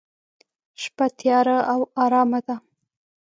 شپه تیاره او ارامه ده.